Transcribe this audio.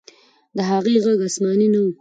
د هغې ږغ آسماني نه و.